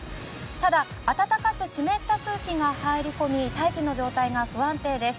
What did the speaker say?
ただ暖かく湿った空気が入り込み大気の状態が不安定です。